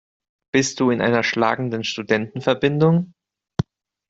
Bist du in einer schlagenden Studentenverbindung?